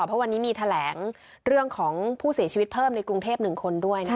เพราะวันนี้มีแถลงเรื่องของผู้เสียชีวิตเพิ่มในกรุงเทพ๑คนด้วย